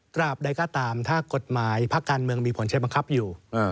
ใดก็ตามถ้ากฎหมายพักการเมืองมีผลใช้บังคับอยู่